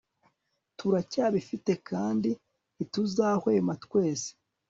turacyabifite kandi ntituzahwema twese